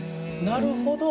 なるほど。